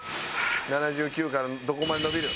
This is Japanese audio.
７９からどこまで伸びる？